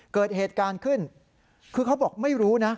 เกิดเหตุการณ์ขึ้นคือเขาบอกไม่รู้นะ